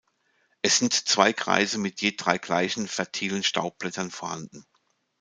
Es sind zwei Kreise mit je drei gleichen, fertilen Staubblättern vorhanden.